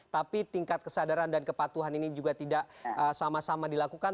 tapi tingkat kesadaran dan kepatuhan ini juga tidak sama sama dilakukan